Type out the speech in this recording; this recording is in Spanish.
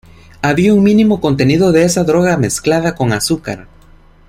Había un mínimo contenido de esa droga, mezclada con azúcar.